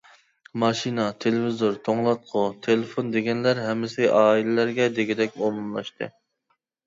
ماشىنا، تېلېۋىزور، توڭلاتقۇ، تېلېفون دېگەنلەر ھەممە ئائىلىلەرگە دېگۈدەك ئومۇملاشتى.